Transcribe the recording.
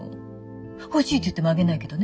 欲しいって言ってもあげないけどね。